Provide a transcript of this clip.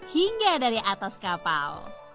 hingga dari atas kapal